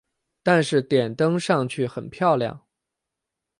但是点灯上去很漂亮